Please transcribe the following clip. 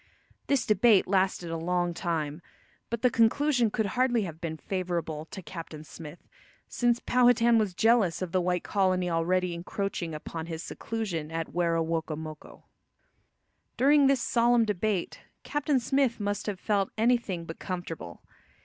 This debate lasted a long time, but the conclusion could hardly have been favourable to Captain Smith, since Powhatan was jealous of the white colony already encroaching upon his seclusion at Werowocomoco. During this solemn debate Captain Smith must have felt anything but comfortable.